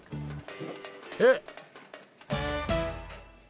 えっ！